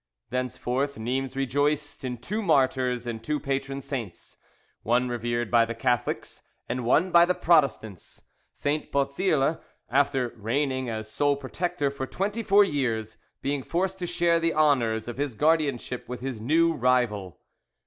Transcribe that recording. Thenceforth Nimes rejoiced in two martyrs and two patron saints, one revered by the Catholics, and one by the Protestants; St. Bauzile, after reigning as sole protector for twenty four years, being forced to share the honours of his guardianship with his new rival.